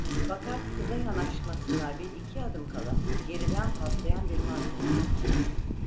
Fakat kıza yanaşmasına bir iki adım kala, geriden patlayan bir martin.